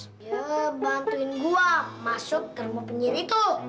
ya bantuin gua masuk ke rumah penyihir itu